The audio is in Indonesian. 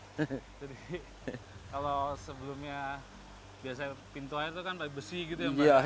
jadi kalau sebelumnya biasa pintu air itu kan pakai besi gitu ya mbah